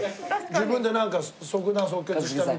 自分でなんか即断即決したみたいな。